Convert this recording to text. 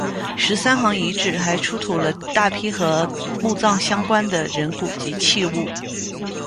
十三行遗址还出土了大批和墓葬相关的人骨及器物。